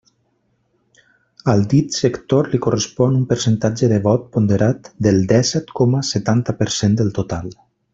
Al dit sector li correspon un percentatge de vot ponderat del dèsset coma setanta per cent del total.